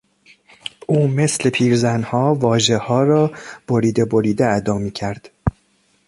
او مثل پیرزنها واژهها را بریده بریده ادا میکرد.